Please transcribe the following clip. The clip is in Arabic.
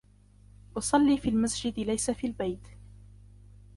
أصلي في المسجد ليس في البيت.